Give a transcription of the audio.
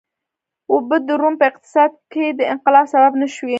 اوبه د روم په اقتصاد کې د انقلاب سبب نه شوې.